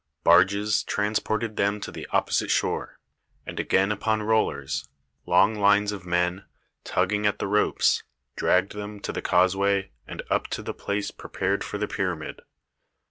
Barges transported them to the opposite shore, and again upon rollers, long lines of men, tugging at the ropes, dragged them to the causeway and up to the place prepared for the pyramid.